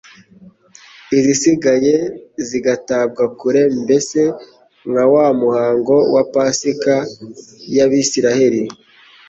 izisigaye zigatabwa kure, mbese nka wa muhango wa pasika y' Abisiraheli